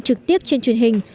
trực tiếp trên truyền hình